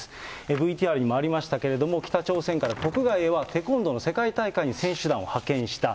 ＶＴＲにもありましたけれども、北朝鮮から国外へはテコンドーの世界大会に選手団を派遣した。